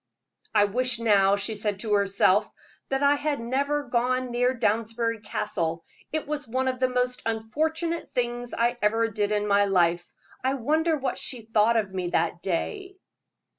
"I wish now," she said to herself, "that I had never gone near Downsbury Castle: it was one of the most unfortunate things I ever did in my life. I wonder what she thought of me that day?"